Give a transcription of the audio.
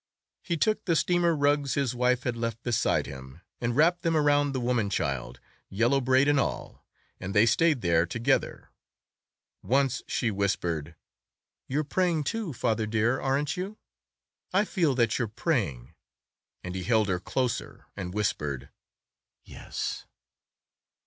He took the steamer rugs his wife had left beside him and wrapped them around the woman child, yellow braid and all, and they stayed there together. Once she whispered, "You're praying, too, father dear, aren't you? I feel that you're praying;" and he held her closer and whispered, "Yes."